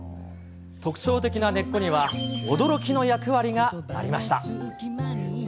特徴的な根っこには、驚きの役割がありました。